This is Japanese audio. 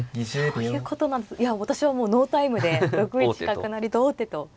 そういうこと私はもうノータイムで６一角成と王手と。